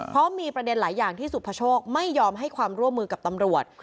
เพราะมีประเด็นหลายอย่างที่สุภโชคไม่ยอมให้ความร่วมมือกับตำรวจ